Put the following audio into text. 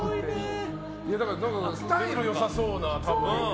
スタイルよさそうな感じ。